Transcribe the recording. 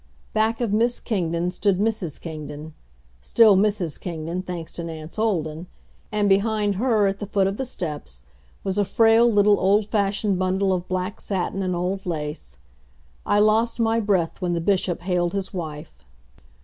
Back of Miss Kingdon stood Mrs. Kingdon still Mrs. Kingdon, thanks to Nance Olden and behind her, at the foot of the steps, was a frail little old fashioned bundle of black satin and old lace. I lost my breath when the Bishop hailed his wife.